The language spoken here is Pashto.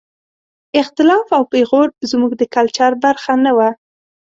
اختلاف او پېغور زموږ د کلچر برخه نه وه.